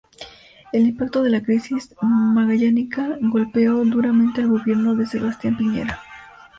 El impacto de la crisis magallánica golpeó duramente al gobierno de Sebastián Piñera.